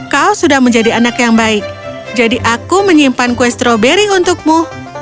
kau sudah menjadi anak yang baik jadi aku menyimpan kue stroberi untukmu